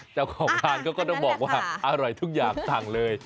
เจ้าของงานเขาก็ต้องบอกว่าอร่อยทุกอย่างสั่งเลย